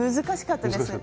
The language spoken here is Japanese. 難しかった？